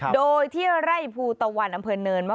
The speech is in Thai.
โดยที่ไร่ภูตะวันอำเภอเนิน